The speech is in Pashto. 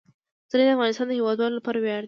پسرلی د افغانستان د هیوادوالو لپاره ویاړ دی.